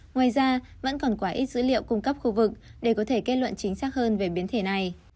ngoài ra vẫn còn quá ít dữ liệu cung cấp khu vực để có thể kết luận chính xác hơn về biến thể này